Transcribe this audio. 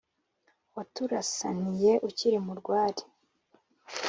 waturasaniye ukiri mu rwari,